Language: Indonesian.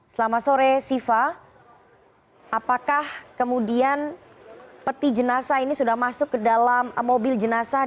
selamat sore siva apakah kemudian peti jenazah ini sudah masuk ke dalam mobil jenazah